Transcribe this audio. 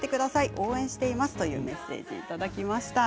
応援していますというメッセージいただきました。